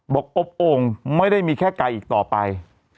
บอกอบโอ่งไม่ได้มีแค่ไก่อีกต่อไป